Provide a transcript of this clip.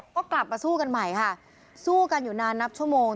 ก็กลับมาสู้กันใหม่ค่ะสู้กันอยู่นานนับชั่วโมง